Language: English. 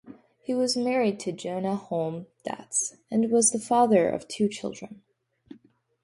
He was married to Jonna Holm Datz and was the father of two children.